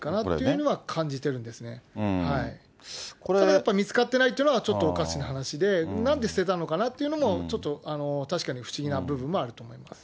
やっぱり見つかっていないというのは、ちょっとおかしな話で、なんで捨てたのかなというのも、ちょっと確かに不思議な部分もあると思います。